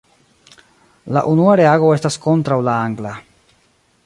La unua reago estas kontraŭ la angla.